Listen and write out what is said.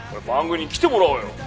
番組に来てもらおうよ。